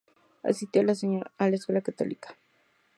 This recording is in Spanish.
Asistió a la escuela católica St.